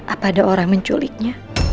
apa ada orang menculiknya